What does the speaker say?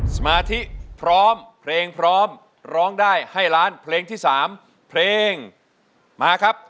สมาธิพร้อมเพลงพร้อมร้องได้ให้ล้านเพลงที่๓เพลงมาครับ